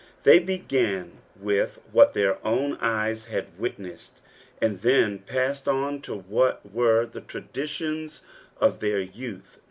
They began with what their owDejci had witnessed, and then passed on to what were the traditions of their joath.